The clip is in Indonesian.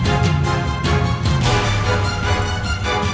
jangan lagi membuat onar di sini